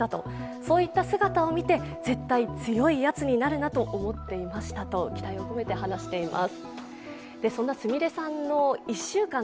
そういった姿を見て絶対強いやつになるなと思っていましたと期待を込めて話しています。